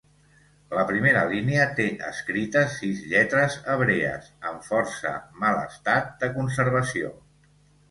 La primera línia té escrites sis lletres hebrees en força mal estat de conservació.